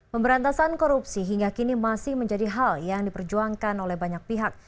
pemberantasan korupsi hingga kini masih menjadi hal yang diperjuangkan oleh banyak pihak